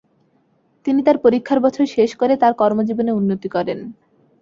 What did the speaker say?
তিনি তার পরীক্ষার বছর শেষ করে তার কর্মজীবনে উন্নতি করেন।